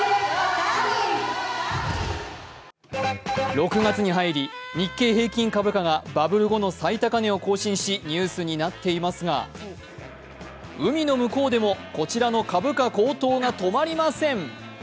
６月に入り日経平均株価がバブル後の最高値を更新しニュースになっていますが、海の向こうでもこちらの株価高騰が止まりません。